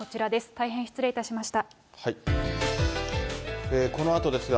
大変失礼いたしました。